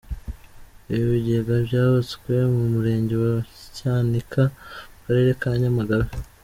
Ibyo bigega byubatswe mu Murenge wa Cyanika mu karere ka Nyamagabe.